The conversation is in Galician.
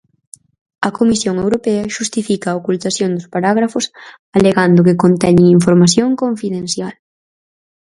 A Comisión Europea xustifica a ocultación dos parágrafos alegando que conteñen información confidencial.